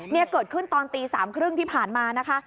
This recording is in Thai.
นี่เกิดขึ้นตอนตีสามครึ่งที่ผ่านมานะคะ